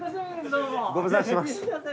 ご無沙汰してます。